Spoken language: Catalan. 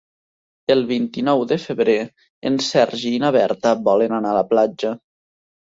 El vint-i-nou de febrer en Sergi i na Berta volen anar a la platja.